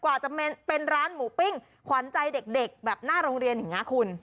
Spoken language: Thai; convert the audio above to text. กว่าจะเป็นร้านหมูปิ้งขวัญใจเด็กแบบหน้าโรงเรียนอย่างนี้คุณ